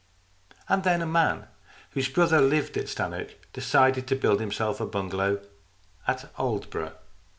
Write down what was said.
And then a man, whose brother lived at Stannoke, decided to build himself a bungalow at Aldeburgh.